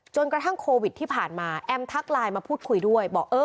กระทั่งโควิดที่ผ่านมาแอมทักไลน์มาพูดคุยด้วยบอก